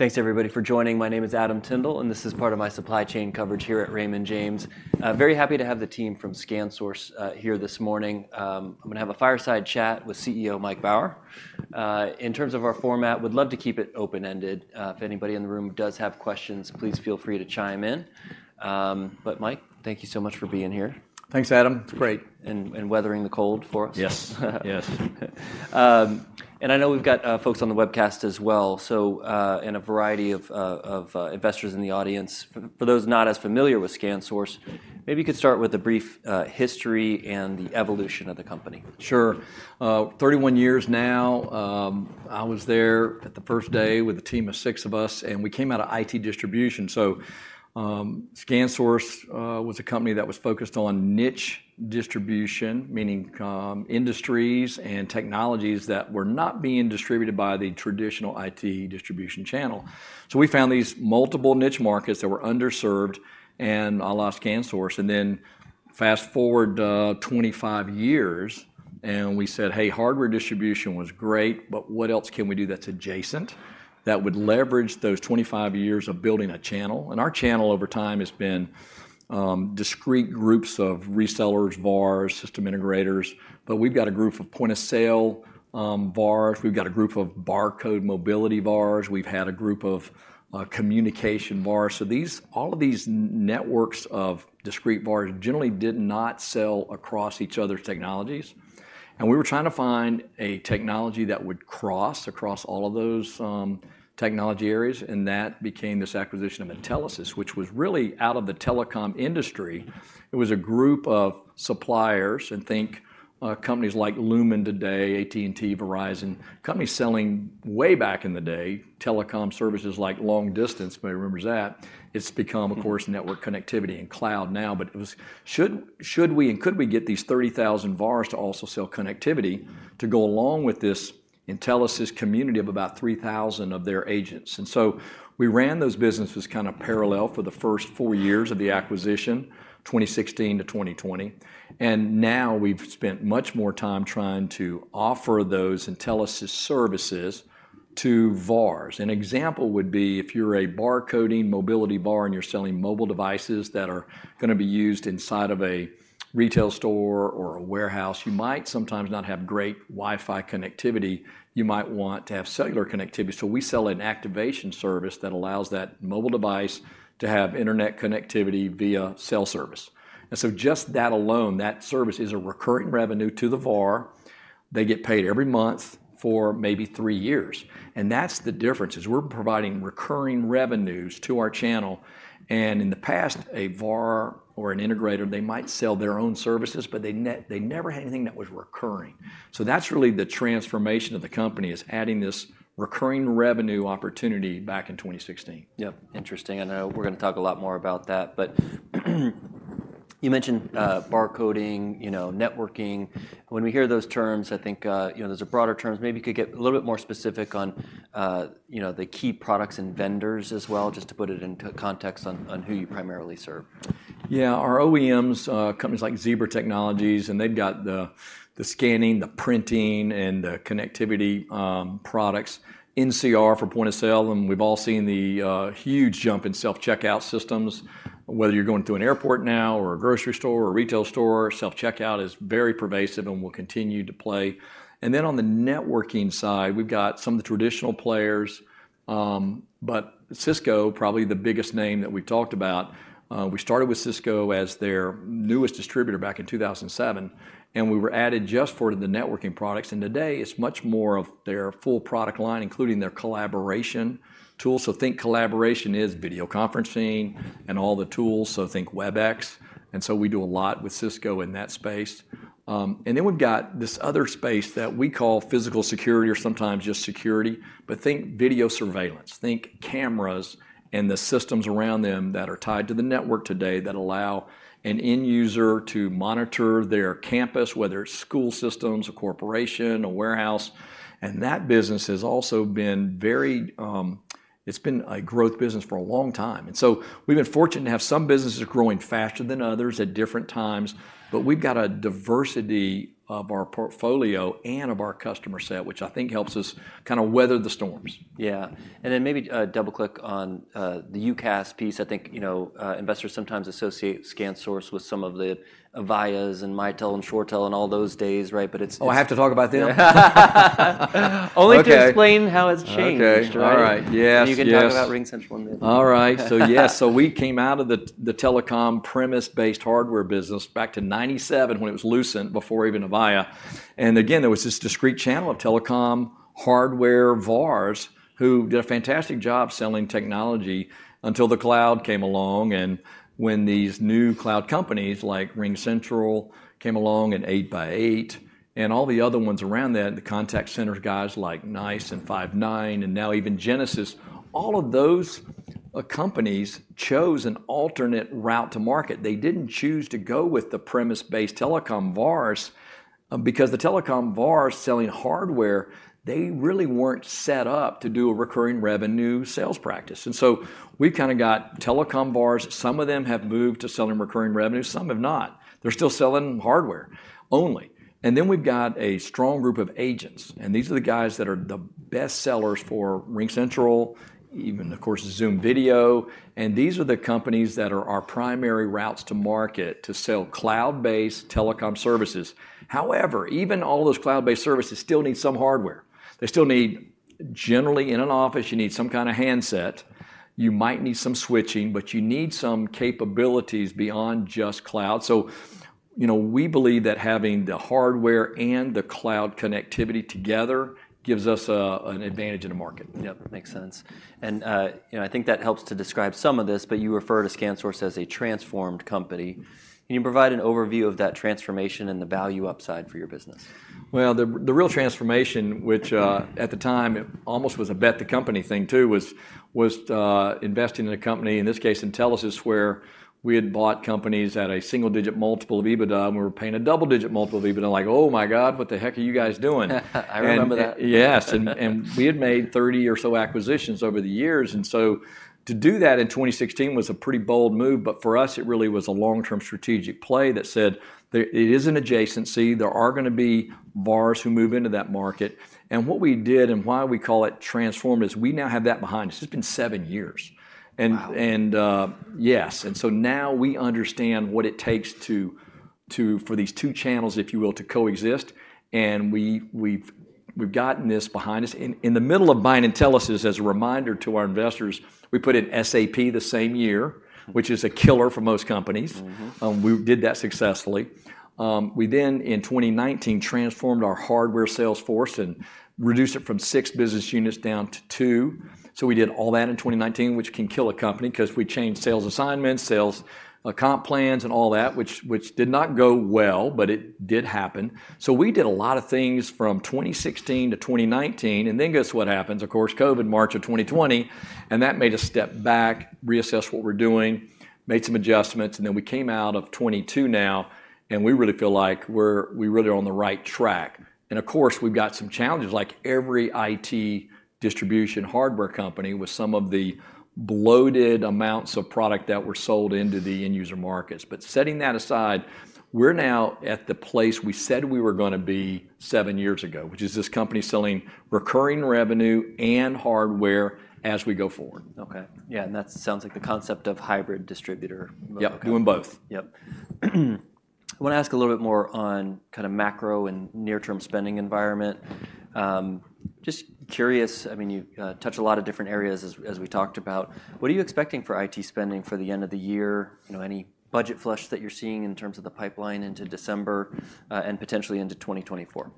Thanks everybody for joining. My name is Adam Tindle, and this is part of my supply chain coverage here at Raymond James. Very happy to have the team from ScanSource here this morning. I'm gonna have a fireside chat with CEO Mike Baur. In terms of our format, would love to keep it open-ended. If anybody in the room does have questions, please feel free to chime in. But Mike, thank you so much for being here. Thanks, Adam. It's great. And weathering the cold for us. Yes. Yes. And I know we've got folks on the webcast as well, so and a variety of investors in the audience. For those not as familiar with ScanSource, maybe you could start with a brief history and the evolution of the company. Sure. 31 years now, I was there at the first day with a team of six of us, and we came out of IT distribution. So, ScanSource was a company that was focused on niche distribution, meaning industries and technologies that were not being distributed by the traditional IT distribution channel. So we found these multiple niche markets that were underserved, and allow ScanSource. And then fast-forward 25 years, and we said: "Hey, hardware distribution was great, but what else can we do that's adjacent, that would leverage those 25 years of building a channel?" And our channel, over time, has been discrete groups of resellers, VARs, system integrators, but we've got a group of point-of-sale VARs, we've got a group of barcode mobility VARs, we've had a group of communication VARs. So these all of these networks of discrete VARs generally did not sell across each other's technologies. And we were trying to find a technology that would cross across all of those technology areas, and that became this acquisition of Intelisys, which was really out of the telecom industry. It was a group of suppliers, and think companies like Lumen today, AT&T, Verizon, companies selling way back in the day, telecom services like long distance, if anybody remembers that. It's become, of course- Mm.... network connectivity and cloud now. But it was, should we and could we get these 30,000 VARs to also sell connectivity, to go along with this Intelisys community of about 3,000 of their agents? And so we ran those businesses kind of parallel for the first four years of the acquisition, 2016 to 2020, and now we've spent much more time trying to offer those Intelisys services to VARs. An example would be, if you're a barcoding mobility VAR, and you're selling mobile devices that are gonna be used inside of a retail store or a warehouse, you might sometimes not have great Wi-Fi connectivity. You might want to have cellular connectivity. So we sell an activation service that allows that mobile device to have internet connectivity via cell service. And so just that alone, that service, is a recurring revenue to the VAR. They get paid every month for maybe three years. And that's the difference, is we're providing recurring revenues to our channel, and in the past, a VAR or an integrator, they might sell their own services, but they never had anything that was recurring. So that's really the transformation of the company, is adding this recurring revenue opportunity back in 2016. Yep, interesting, and I know we're gonna talk a lot more about that. But, you mentioned, barcoding, you know, networking. When we hear those terms, I think, you know, those are broader terms. Maybe you could get a little bit more specific on, you know, the key products and vendors as well, just to put it into context on, on who you primarily serve. Yeah. Our OEMs, companies like Zebra Technologies, and they've got the scanning, the printing, and the connectivity, products. NCR for point of sale, and we've all seen the huge jump in self-checkout systems. Whether you're going through an airport now, or a grocery store, or a retail store, self-checkout is very pervasive and will continue to play. And then on the networking side, we've got some of the traditional players, but Cisco, probably the biggest name that we've talked about. We started with Cisco as their newest distributor back in 2007, and we were added just for the networking products, and today it's much more of their full product line, including their collaboration tools. So think collaboration is video conferencing and all the tools, so think Webex, and so we do a lot with Cisco in that space. Then we've got this other space that we call physical security or sometimes just security, but think video surveillance, think cameras and the systems around them that are tied to the network today, that allow an end user to monitor their campus, whether it's school systems, a corporation, a warehouse, and that business has also been very. It's been a growth business for a long time. So we've been fortunate to have some businesses growing faster than others at different times, but we've got a diversity of our portfolio and of our customer set, which I think helps us kind of weather the storms. Yeah, and then maybe double-click on the UCaaS piece. I think, you know, investors sometimes associate ScanSource with some of the Avayas, and Mitel, and ShoreTel, and all those days, right? But it's- Oh, I have to talk about them? Only to- Okay.... explain how it's changed. Okay. Right? All right. Yes, yes. Then you can talk about RingCentral in a minute. All right. So yes, so we came out of the telecom premise-based hardware business back in 1997, when it was Lucent, before even Avaya, and again, there was this discrete channel of telecom hardware VARs, who did a fantastic job selling technology until the cloud came along. And when these new cloud companies, like RingCentral, came along, and 8x8, and all the other ones around then, the contact center guys like NICE and Five9, and now even Genesys, all of those companies chose an alternate route to market. They didn't choose to go with the premise-based telecom VARs, because the telecom VARs selling hardware, they really weren't set up to do a recurring revenue sales practice. And so we've kind of got telecom VARs, some of them have moved to selling recurring revenue, some have not. They're still selling hardware only. Then we've got a strong group of agents, and these are the guys that are the best sellers for RingCentral, even, of course, Zoom Video, and these are the companies that are our primary routes to market to sell cloud-based telecom services. However, even all those cloud-based services still need some hardware. They still need, generally, in an office, you need some kind of handset. You might need some switching, but you need some capabilities beyond just cloud. So, you know, we believe that having the hardware and the cloud connectivity together gives us an advantage in the market. Yep, makes sense. And, you know, I think that helps to describe some of this, but you refer to ScanSource as a transformed company. Can you provide an overview of that transformation and the value upside for your business? Well, the real transformation, which at the time almost was a bet the company thing too, was investing in a company, in this case, Intelisys, where we had bought companies at a single-digit multiple of EBITDA, and we were paying a double-digit multiple of EBITDA. Like, "Oh, my God, what the heck are you guys doing? I remember that. Yes. And, and we had made 30 or so acquisitions over the years, and so to do that in 2016 was a pretty bold move. But for us, it really was a long-term strategic play that said, there—it is an adjacency. There are gonna be VARs who move into that market. And what we did and why we call it transform is we now have that behind us. It's been 7 years. Wow! Yes. And so now we understand what it takes to for these two channels, if you will, to coexist, and we've gotten this behind us. In the middle of buying Intelisys, as a reminder to our investors, we put in SAP the same year, which is a killer for most companies. Mm-hmm. We did that successfully. We then, in 2019, transformed our hardware sales force and reduced it from six business units down to two. So we did all that in 2019, which can kill a company, 'cause we changed sales assignments, sales, comp plans, and all that, which, which did not go well, but it did happen. So we did a lot of things from 2016 to 2019, and then guess what happens? Of course, COVID, March 2020, and that made us step back, reassess what we're doing, made some adjustments, and then we came out of 2022 now, and we really feel like we're-- we're really on the right track. And of course, we've got some challenges, like every IT distribution hardware company, with some of the bloated amounts of product that were sold into the end user markets. Setting that aside, we're now at the place we said we were gonna be seven years ago, which is this company selling recurring revenue and hardware as we go forward. Okay. Yeah, and that sounds like the concept of hybrid distributor. Yep, doing both. Yep. I want to ask a little bit more on kind of macro and near-term spending environment. Just curious, I mean, you touched a lot of different areas as, as we talked about. What are you expecting for IT spending for the end of the year? You know, any budget flush that you're seeing in terms of the pipeline into December, and potentially into 2024?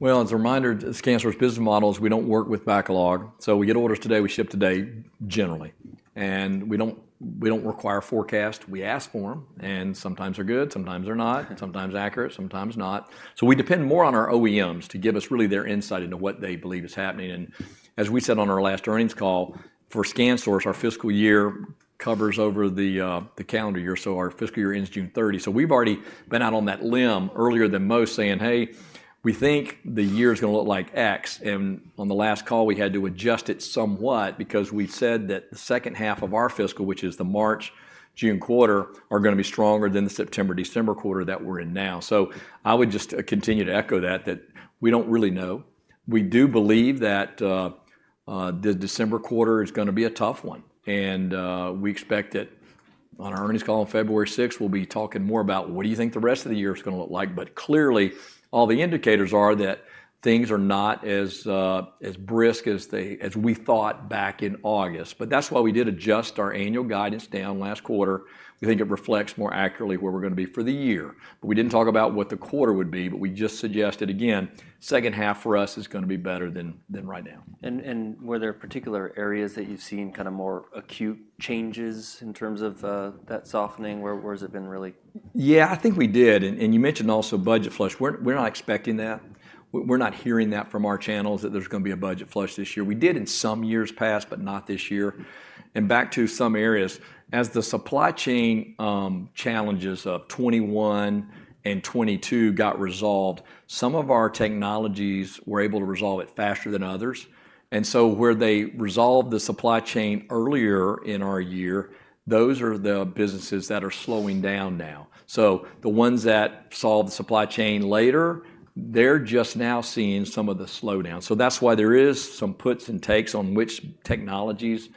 Well, as a reminder, ScanSource's business model is we don't work with backlog. So we get orders today, we ship today, generally. And we don't, we don't require forecast. We ask for them, and sometimes they're good, sometimes they're not, sometimes accurate, sometimes not. So we depend more on our OEMs to give us really their insight into what they believe is happening. And as we said on our last earnings call, for ScanSource, our fiscal year covers over the, the calendar year, so our fiscal year ends June 30. So we've already been out on that limb earlier than most, saying: "Hey, we think the year is gonna look like X. On the last call, we had to adjust it somewhat because we said that the second half of our fiscal, which is the March-June quarter, are gonna be stronger than the September-December quarter that we're in now. So I would just continue to echo that, that we don't really know. We do believe that the December quarter is gonna be a tough one, and we expect that on our earnings call on February sixth, we'll be talking more about what do you think the rest of the year is gonna look like. But clearly, all the indicators are that things are not as as brisk as they as we thought back in August. But that's why we did adjust our annual guidance down last quarter. We think it reflects more accurately where we're gonna be for the year. We didn't talk about what the quarter would be, but we just suggested, again, second half for us is gonna be better than right now. Were there particular areas that you've seen kind of more acute changes in terms of that softening? Where has it been really? Yeah, I think we did. And, and you mentioned also budget flush. We're, we're not expecting that. We're, we're not hearing that from our channels, that there's gonna be a budget flush this year. We did in some years past, but not this year. And back to some areas, as the supply chain challenges of 2021 and 2022 got resolved, some of our technologies were able to resolve it faster than others. And so where they resolved the supply chain earlier in our year, those are the businesses that are slowing down now. So the ones that solved the supply chain later, they're just now seeing some of the slowdown. So that's why there is some puts and takes on which technologies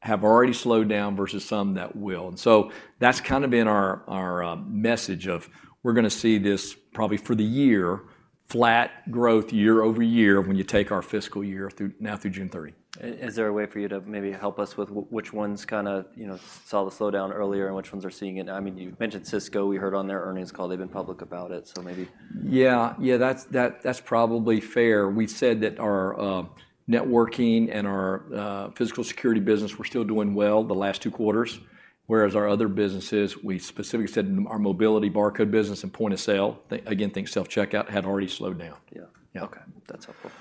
have already slowed down versus some that will. So that's kind of been our message: We're gonna see this probably for the year, flat growth year-over-year, when you take our fiscal year through now through June thirty. Is there a way for you to maybe help us with which ones kind of, you know, saw the slowdown earlier and which ones are seeing it? I mean, you've mentioned Cisco. We heard on their earnings call, they've been public about it, so maybe- Yeah. Yeah, that's probably fair. We said that our networking and our physical security business were still doing well the last two quarters, whereas our other businesses, we specifically said our mobility barcode business and point of sale, they, again, things self-checkout, had already slowed down. Yeah. Yeah. Okay, that's helpful.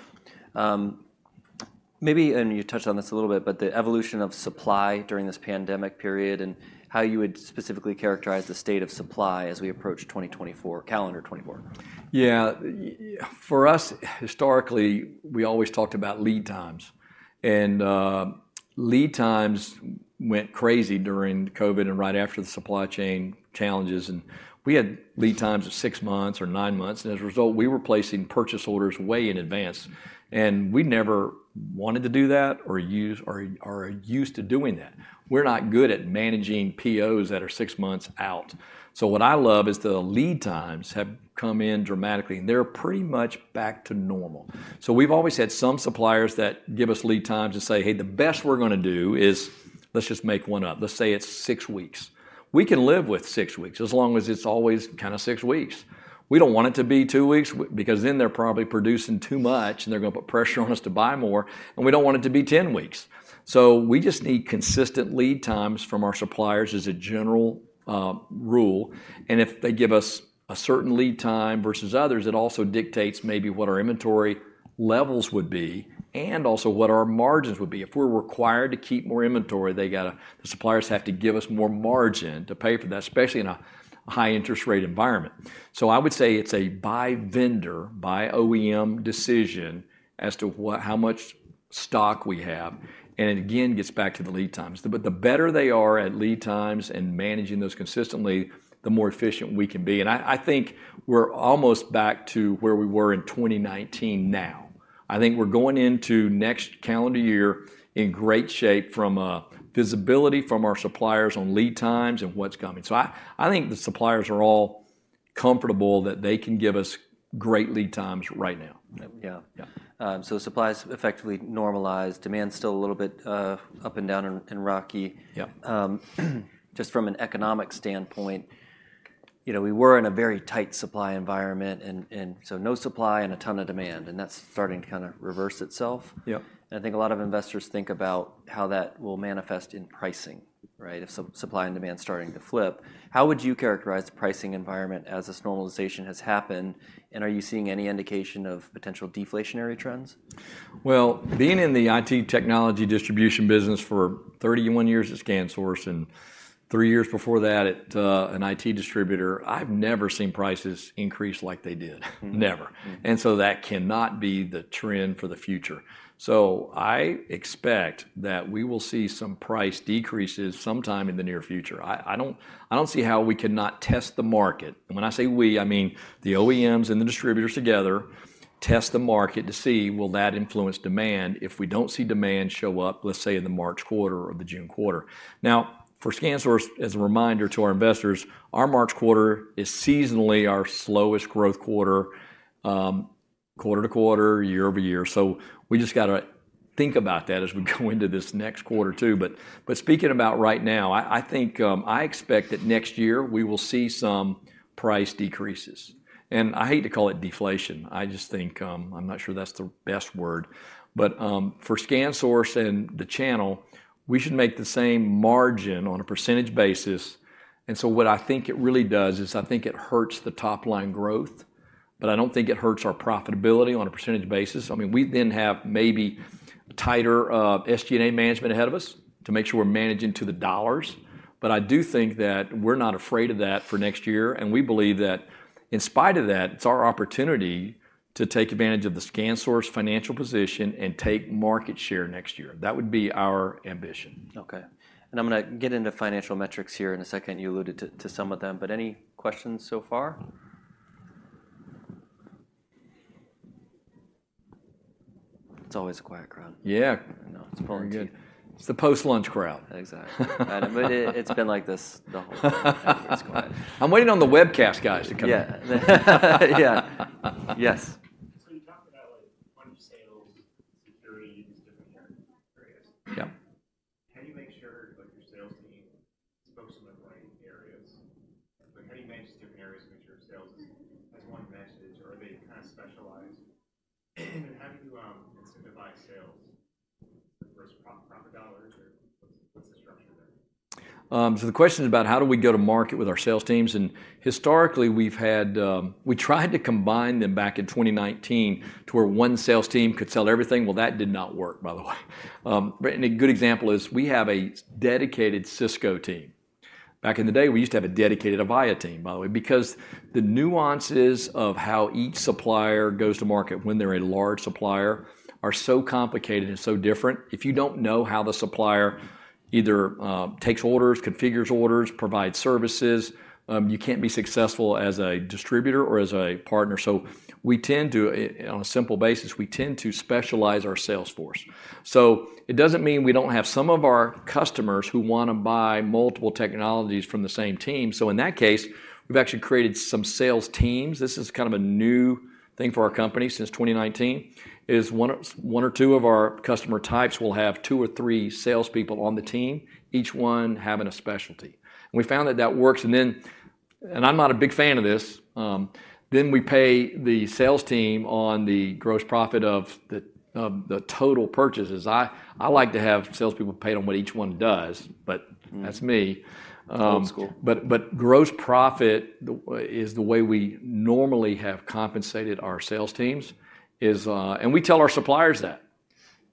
Maybe, and you touched on this a little bit, but the evolution of supply during this pandemic period, and how you would specifically characterize the state of supply as we approach 2024, calendar 2024? Yeah. For us, historically, we always talked about lead times. And lead times went crazy during COVID and right after the supply chain challenges, and we had lead times of six months or nine months, and as a result, we were placing purchase orders way in advance. And we never wanted to do that or used to doing that. We're not good at managing POs that are six months out. So what I love is the lead times have come in dramatically, and they're pretty much back to normal. So we've always had some suppliers that give us lead times and say, "Hey, the best we're gonna do is..." Let's just make one up. Let's say it's 6 weeks. We can live with six weeks, as long as it's always kind of 6 weeks. We don't want it to be two weeks, because then they're probably producing too much, and they're gonna put pressure on us to buy more, and we don't want it to be 10 weeks. So we just need consistent lead times from our suppliers as a general rule, and if they give us a certain lead time versus others, it also dictates maybe what our inventory levels would be, and also what our margins would be. If we're required to keep more inventory, they gotta the suppliers have to give us more margin to pay for that, especially in a high interest rate environment. So I would say it's a by vendor, by OEM decision as to what how much stock we have, and it again gets back to the lead times. But the better they are at lead times and managing those consistently, the more efficient we can be, and I, I think we're almost back to where we were in 2019 now. I think we're going into next calendar year in great shape from a visibility from our suppliers on lead times and what's coming. So I, I think the suppliers are all comfortable that they can give us great lead times right now. Yeah. Yeah. So supply's effectively normalized. Demand's still a little bit, up and down and, and rocky. Yeah. Just from an economic standpoint, you know, we were in a very tight supply environment, and so no supply and a ton of demand, and that's starting to kind of reverse itself. Yep. I think a lot of investors think about how that will manifest in pricing, right? If supply and demand's starting to flip, how would you characterize the pricing environment as this normalization has happened, and are you seeing any indication of potential deflationary trends? Well, being in the IT technology distribution business for 31 years at ScanSource, and 3 years before that at an IT distributor, I've never seen prices increase like they did. Mm-hmm. Never. Mm-hmm. That cannot be the trend for the future. So I expect that we will see some price decreases sometime in the near future. I, I don't, I don't see how we cannot test the market, and when I say we, I mean the OEMs and the distributors together, test the market to see: Will that influence demand? If we don't see demand show up, let's say, in the March quarter or the June quarter. Now, for ScanSource, as a reminder to our investors, our March quarter is seasonally our slowest growth quarter, quarter to quarter, year over year. So we just gotta think about that as we go into this next quarter, too. But speaking about right now, I, I think, I expect that next year we will see some price decreases, and I hate to call it deflation. I just think... I'm not sure that's the best word. But, for ScanSource and the channel, we should make the same margin on a percentage basis, and so what I think it really does is, I think it hurts the top-line growth, but I don't think it hurts our profitability on a percentage basis. I mean, we then have maybe tighter SG&A management ahead of us to make sure we're managing to the dollars. But I do think that we're not afraid of that for next year, and we believe that, in spite of that, it's our opportunity to take advantage of the ScanSource financial position and take market share next year. That would be our ambition. Okay, and I'm gonna get into financial metrics here in a second. You alluded to some of them, but any questions so far? It's always a quiet crowd. Yeah. I know. It's probably good. It's the post-lunch crowd. Exactly. But it, it's been like this the whole time. It's quiet. I'm waiting on the webcast guys to come in. Yeah. Yeah. Yes. You talked about like bunch of sales, security, these different areas. Yeah. How do you make sure, like, your sales team speaks to the right areas? Like, how do you manage different areas to make sure sales has one message, or are they kind of specialized? And how do you incentivize sales versus profit dollars, or what's the structure there? So the question is about: How do we go to market with our sales teams? And historically, we've had. We tried to combine them back in 2019 to where one sales team could sell everything. Well, that did not work, by the way. But, and a good example is, we have a dedicated Cisco team. Back in the day, we used to have a dedicated Avaya team, by the way, because the nuances of how each supplier goes to market when they're a large supplier are so complicated and so different. If you don't know how the supplier either, takes orders, configures orders, provides services, you can't be successful as a distributor or as a partner. So we tend to, on a simple basis, we tend to specialize our sales force. So it doesn't mean we don't have some of our customers who wanna buy multiple technologies from the same team, so in that case, we've actually created some sales teams. This is kind of a new thing for our company since 2019, is one of, one or two of our customer types will have two or three salespeople on the team, each one having a specialty. And we found that that works, and then, and I'm not a big fan of this, then we pay the sales team on the gross profit of the, the total purchases. I, I like to have salespeople paid on what each one does, but- Mm. -that's me. Old school. Gross profit is the way we normally have compensated our sales teams. And we tell our suppliers that.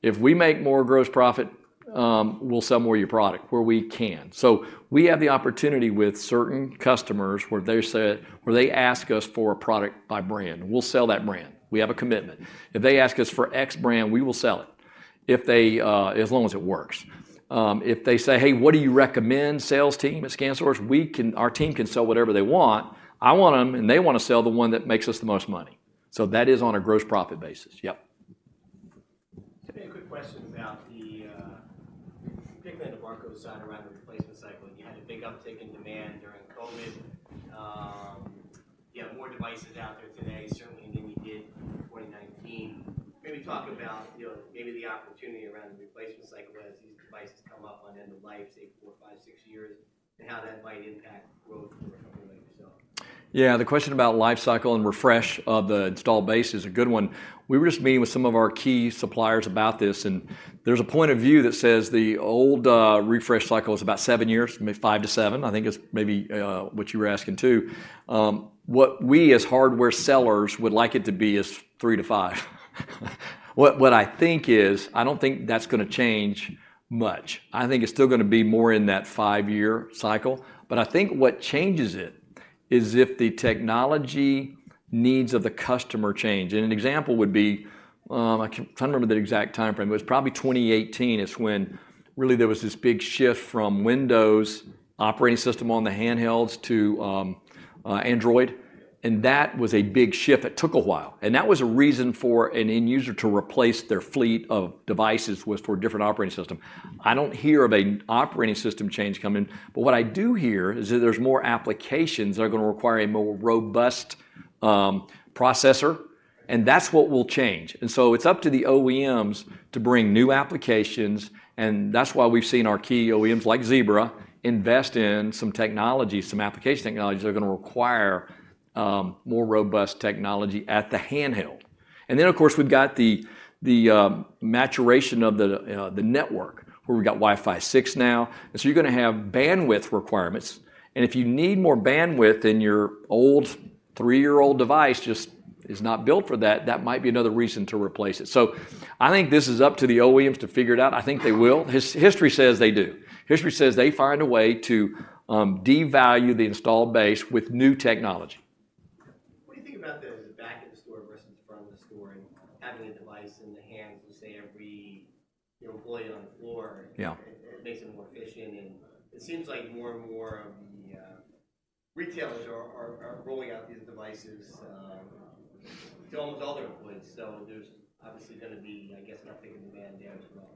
"If we make more gross profit, we'll sell more of your product where we can." So we have the opportunity with certain customers, where they ask us for a product by brand. We'll sell that brand. We have a commitment. If they ask us for X brand, we will sell it. If they as long as it works. If they say, "Hey, what do you recommend, sales team at ScanSource?" Our team can sell whatever they want. I want 'em, and they wanna sell the one that makes us the most money, so that is on a gross profit basis. Yep. Just a quick question about the pick that DeMarco side around the replacement cycle, and you had a big uptick in demand during COVID.... you have more devices out there today, certainly, than you did in 2019. Maybe talk about, you know, maybe the opportunity around the replacement cycle as these devices come up on end of life, say, four, five, six years, and how that might impact growth for a company like yourself. Yeah, the question about life cycle and refresh of the installed base is a good one. We were just meeting with some of our key suppliers about this, and there's a point of view that says the old refresh cycle is about seven years, maybe five to seven, I think is maybe what you were asking, too. What we, as hardware sellers, would like it to be is three to five. What I think is, I don't think that's gonna change much. I think it's still gonna be more in that 5-year cycle, but I think what changes it is if the technology needs of the customer change. And an example would be, trying to remember the exact timeframe. It was probably 2018, when really there was this big shift from Windows operating system on the handhelds to Android, and that was a big shift that took a while. That was a reason for an end user to replace their fleet of devices, was for a different operating system. I don't hear of an operating system change coming, but what I do hear is that there's more applications that are gonna require a more robust processor, and that's what will change. So it's up to the OEMs to bring new applications, and that's why we've seen our key OEMs, like Zebra, invest in some technology, some application technologies, that are gonna require more robust technology at the handheld. Then, of course, we've got the maturation of the network, where we've got Wi-Fi 6 now. And so you're gonna have bandwidth requirements, and if you need more bandwidth than your old three-year-old device just is not built for that, that might be another reason to replace it. So I think this is up to the OEMs to figure it out. I think they will. History says they do. History says they find a way to devalue the installed base with new technology. What do you think about the back of the store versus the front of the store, and having the device in the hands of, say, every employee on the floor? Yeah. It makes them more efficient, and it seems like more and more of the retailers are rolling out these devices to almost all their employees. So there's obviously gonna be, I guess, more pressure on the bandwidth as well.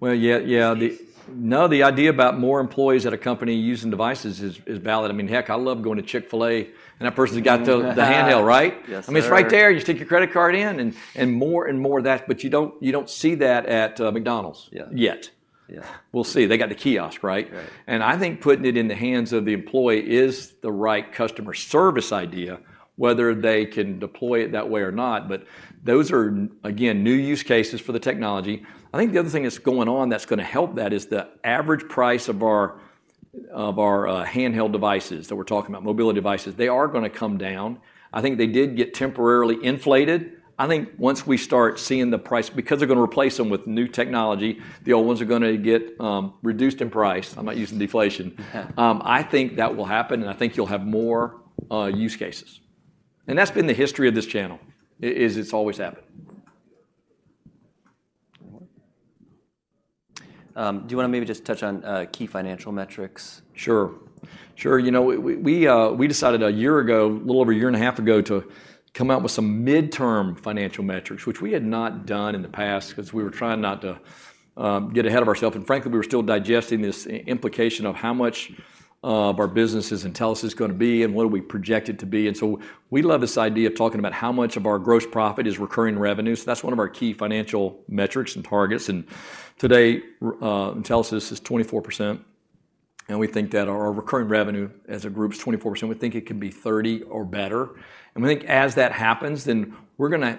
Well, yeah, yeah. It's-... No, the idea about more employees at a company using devices is valid. I mean, heck, I love going to Chick-fil-A, and that person's got the handheld, right? Yes, sir. I mean, it's right there. You stick your credit card in, and more and more of that, but you don't see that at McDonald's- Yeah.... yet. Yeah. We'll see. They got the kiosk, right? Right. And I think putting it in the hands of the employee is the right customer service idea, whether they can deploy it that way or not. But those are, again, new use cases for the technology. I think the other thing that's going on that's gonna help that is the average price of our handheld devices, that we're talking about, mobility devices, they are gonna come down. I think they did get temporarily inflated. I think once we start seeing the price... Because they're gonna replace them with new technology, the old ones are gonna get reduced in price. I'm not using deflation. I think that will happen, and I think you'll have more use cases. And that's been the history of this channel, is, it's always happened. Do you wanna maybe just touch on key financial metrics? Sure. Sure, you know, we decided a year ago, a little over a year and a half ago, to come out with some midterm financial metrics, which we had not done in the past 'cause we were trying not to get ahead of ourselves. And frankly, we were still digesting this implication of how much of our business is Intelisys gonna be and what do we project it to be. And so we love this idea of talking about how much of our gross profit is recurring revenue, so that's one of our key financial metrics and targets. And today, Intelisys is 24%, and we think that our recurring revenue as a group is 24%. We think it could be 30 or better. And we think as that happens, then we're gonna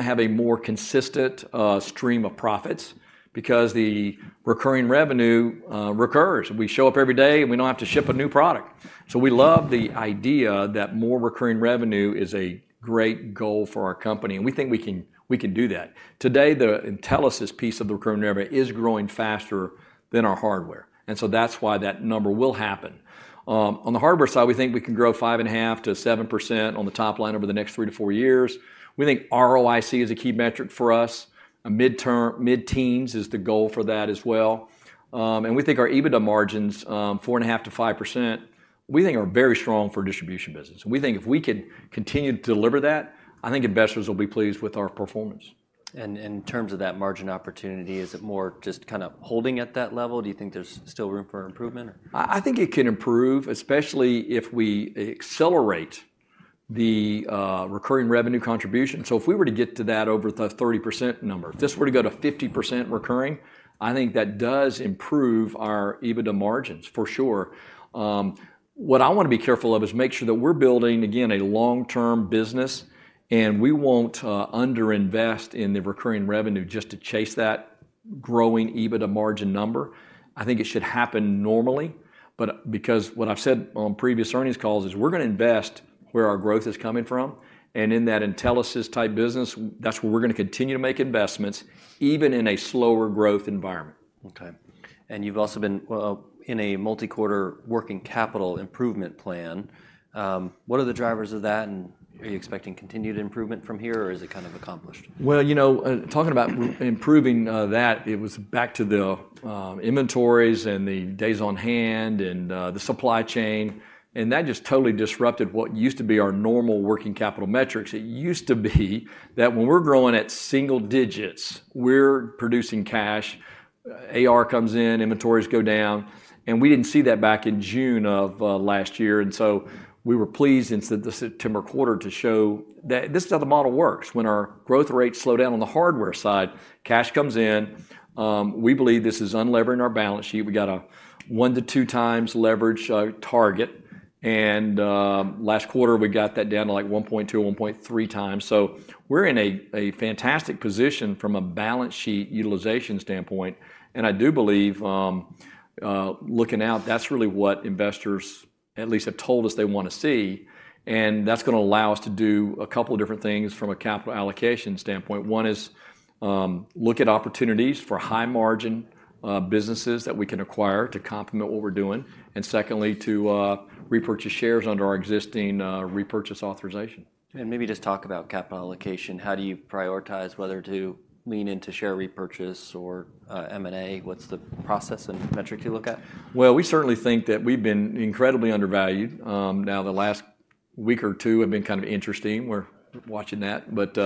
have a more consistent stream of profits because the recurring revenue recurs. We show up every day, and we don't have to ship a new product. So we love the idea that more recurring revenue is a great goal for our company, and we think we can, we can do that. Today, the Intelisys piece of the recurring revenue is growing faster than our hardware, and so that's why that number will happen. On the hardware side, we think we can grow 5.5%-7% on the top line over the next three to four years. We think ROIC is a key metric for us. Mid-teens is the goal for that as well. We think our EBITDA margins, 4.5%-5%, are very strong for a distribution business. We think if we could continue to deliver that, I think investors will be pleased with our performance. In terms of that margin opportunity, is it more just kind of holding at that level? Do you think there's still room for improvement or? I think it can improve, especially if we accelerate the recurring revenue contribution. So if we were to get to that over the 30% number, if this were to go to 50% recurring, I think that does improve our EBITDA margins, for sure. What I wanna be careful of is make sure that we're building, again, a long-term business, and we won't underinvest in the recurring revenue just to chase that growing EBITDA margin number. I think it should happen normally, but because what I've said on previous earnings calls is, we're gonna invest where our growth is coming from. And in that Intelisys-type business, that's where we're gonna continue to make investments, even in a slower growth environment. Okay. You've also been, well, in a multi-quarter working capital improvement plan. What are the drivers of that, and are you expecting continued improvement from here, or is it kind of accomplished? Well, you know, talking about improving, that it was back to the inventories and the days on hand and the supply chain, and that just totally disrupted what used to be our normal working capital metrics. It used to be that when we're growing at single digits, we're producing cash, AR comes in, inventories go down, and we didn't see that back in June of last year. And so we were pleased in the September quarter to show that this is how the model works. When our growth rates slow down on the hardware side, cash comes in. We believe this is unlevering our balance sheet. We got a 1x-2x leverage target. And last quarter, we got that down to, like, 1.2x-1.3x. So we're in a fantastic position from a balance sheet utilization standpoint, and I do believe, looking out, that's really what investors at least have told us they wanna see. And that's gonna allow us to do a couple of different things from a capital allocation standpoint. One is, look at opportunities for high-margin businesses that we can acquire to complement what we're doing, and secondly, to repurchase shares under our existing repurchase authorization. Maybe just talk about capital allocation. How do you prioritize whether to lean into share repurchase or M&A? What's the process and metric you look at? Well, we certainly think that we've been incredibly undervalued. Now, the last week or two have been kind of interesting. We're watching that. But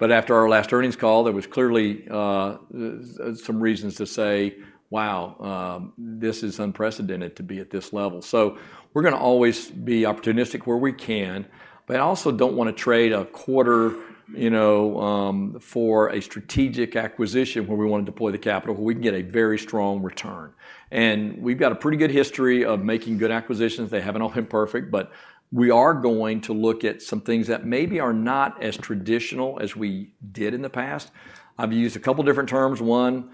after our last earnings call, there was clearly some reasons to say, "Wow, this is unprecedented to be at this level." So we're gonna always be opportunistic where we can, but I also don't wanna trade a quarter, you know, for a strategic acquisition where we wanna deploy the capital, where we can get a very strong return. And we've got a pretty good history of making good acquisitions. They haven't all been perfect, but we are going to look at some things that maybe are not as traditional as we did in the past. I've used a couple of different terms. One,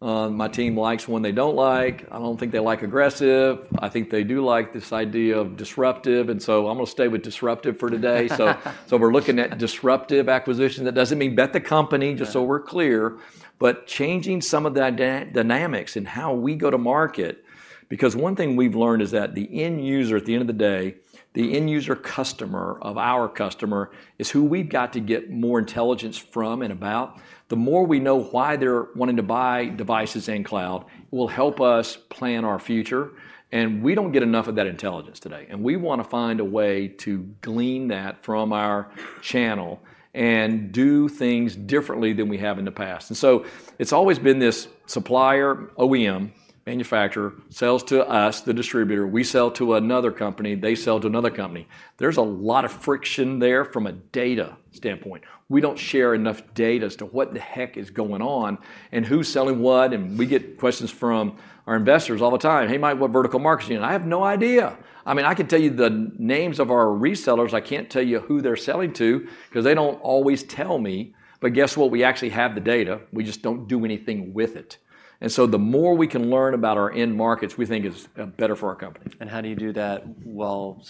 my team likes, one they don't like. I don't think they like aggressive. I think they do like this idea of disruptive, and so I'm gonna stay with disruptive for today. So, so we're looking at disruptive acquisition. That doesn't mean bet the company- Yeah.... just so we're clear, but changing some of the dynamics in how we go to market. Because one thing we've learned is that the end user, at the end of the day, the end user customer of our customer is who we've got to get more intelligence from and about. The more we know why they're wanting to buy devices and cloud will help us plan our future, and we don't get enough of that intelligence today. And we wanna find a way to glean that from our channel and do things differently than we have in the past. And so it's always been this supplier, OEM, manufacturer sells to us, the distributor. We sell to another company, they sell to another company. There's a lot of friction there from a data standpoint. We don't share enough data as to what the heck is going on and who's selling what, and we get questions from our investors all the time, "Hey, Mike, what vertical markets are you in?" I have no idea. I mean, I can tell you the names of our resellers. I can't tell you who they're selling to 'cause they don't always tell me. But guess what? We actually have the data, we just don't do anything with it. And so the more we can learn about our end markets, we think is better for our company. How do you do that while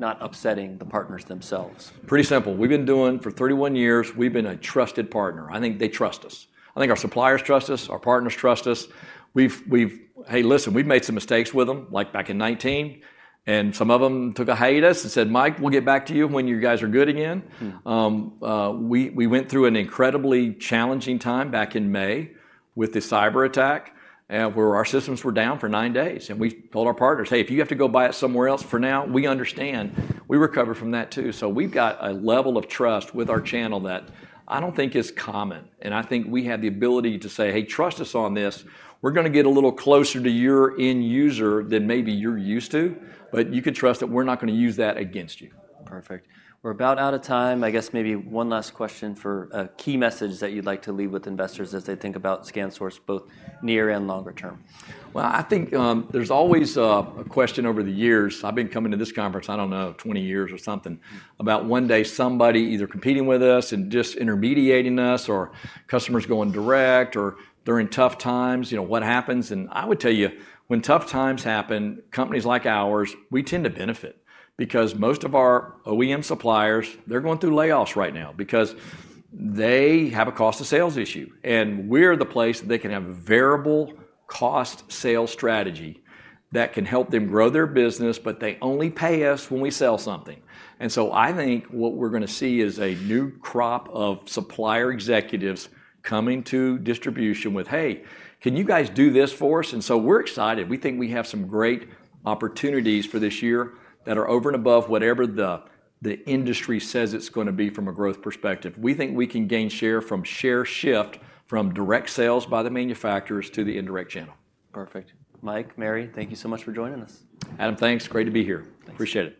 not upsetting the partners themselves? Pretty simple. We've been doing... For 31 years, we've been a trusted partner. I think they trust us. I think our suppliers trust us, our partners trust us. We've, we've - hey, listen, we've made some mistakes with them, like back in 2019, and some of them took a hiatus and said, "Mike, we'll get back to you when you guys are good again. Mm. We went through an incredibly challenging time back in May with the cyberattack, where our systems were down for nine days, and we told our partners, "Hey, if you have to go buy it somewhere else for now, we understand." We recovered from that, too. So we've got a level of trust with our channel that I don't think is common, and I think we have the ability to say, "Hey, trust us on this. We're gonna get a little closer to your end user than maybe you're used to, but you can trust that we're not gonna use that against you. Perfect. We're about out of time. I guess maybe one last question for a key message that you'd like to leave with investors as they think about ScanSource, both near and longer term. Well, I think, there's always a question over the years. I've been coming to this conference, I don't know, 20 years or something, about one day somebody either competing with us and disintermediating us or customers going direct or during tough times, you know, what happens? And I would tell you, when tough times happen, companies like ours, we tend to benefit because most of our OEM suppliers, they're going through layoffs right now because they have a cost of sales issue, and we're the place they can have a variable cost sales strategy that can help them grow their business, but they only pay us when we sell something. And so I think what we're gonna see is a new crop of supplier executives coming to distribution with, "Hey, can you guys do this for us?" And so we're excited. We think we have some great opportunities for this year that are over and above whatever the industry says it's gonna be from a growth perspective. We think we can gain share from share shift, from direct sales by the manufacturers to the indirect channel. Perfect. Mike, Mary, thank you so much for joining us. Adam, thanks. Great to be here. Thanks. Appreciate it.